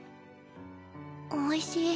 おいしい。